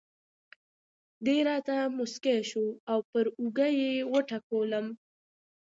دی راته مسکی شو او پر اوږه یې وټکولم.